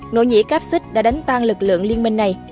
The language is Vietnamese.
nỗ nhĩ cáp xích đã đánh tan lực lượng liên minh này